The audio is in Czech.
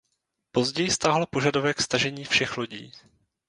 Později stáhlo požadavek stažení všech lodí.